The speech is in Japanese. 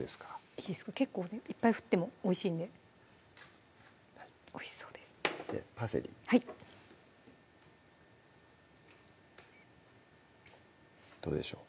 いいです結構いっぱい振ってもおいしいんでおいしそうですでパセリはいどうでしょう？